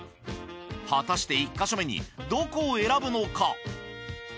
果たして１ヵ所目にどこを選ぶのか？